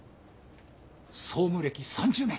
総務歴３０年。